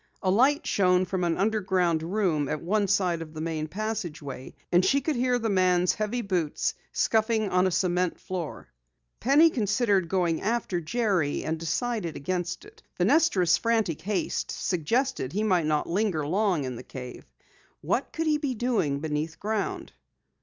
A light shone from an underground room at one side of the main passageway, and she could hear the man's heavy boots scuffing on a cement floor. Penny considered going after Jerry and decided against it. Fenestra's frantic haste suggested that he might not linger long in the cave. What could he be doing beneath ground?